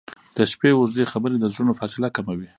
• د شپې اوږدې خبرې د زړونو فاصله کموي.